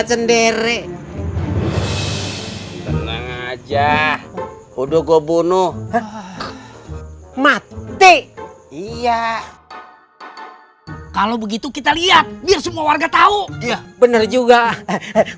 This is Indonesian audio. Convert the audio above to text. liveshow ya perceptif so bener jalan either ya itu iya kaya gini ya iya kalau begitu kita lihat untuk warga tau institutionship about the he he wine ch bao that there